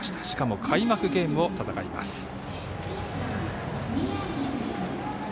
しかも開幕ゲームを戦います。